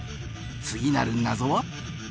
次なる謎は？